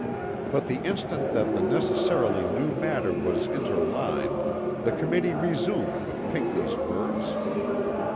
But the instant that the necessarily new matter was interlined, the Committee resumed with Pinckney's words.